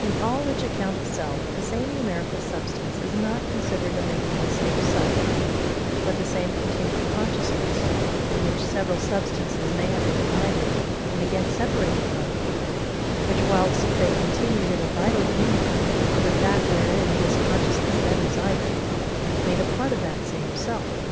In all which account of self, the same numerical SUBSTANCE is not considered a making the same self; but the same continued CONSCIOUSNESS, in which several substances may have been united, and again separated from it, which, whilst they continued in a vital union with that wherein this consciousness then resided, made a part of that same self.